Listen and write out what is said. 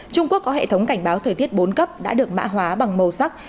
trung quốc có hệ thống cảnh báo thời tiết bốn cấp đã được mã hóa bằng màu sắc